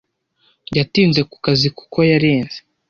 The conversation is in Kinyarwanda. Yatinze ku kazi kuko yarenze.